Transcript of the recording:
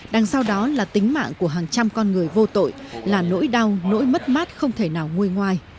đằng sau đó là tính mạng của hàng trăm con người vô tội là nỗi đau nỗi mất mát không thể nào ngôi ngoài